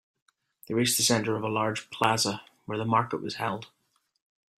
They reached the center of a large plaza where the market was held.